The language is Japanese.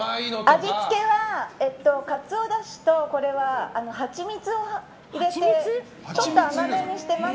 味付けはかつおだしとハチミツを入れてちょっと甘めにしています。